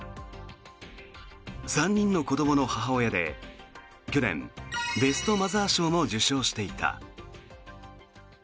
３人の子どもの母親で、去年ベストマザー賞も受賞していた。